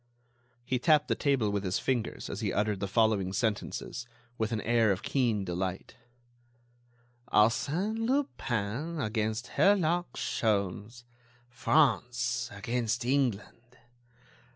He tapped the table with his fingers as he uttered the following sentences, with an air of keen delight: "Arsène Lupin against Herlock Sholmes.... France against England....